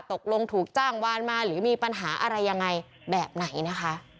ตกลงถูกจ้างวานมาหรือมีปัญหาอะไรยังไงแบบไหนนะคะ